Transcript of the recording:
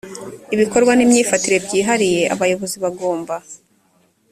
ibikorwa n imyifatire byihariye abayobozi bagomba